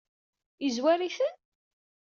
Yezwar-iten?